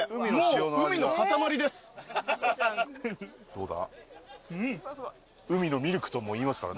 どうだ？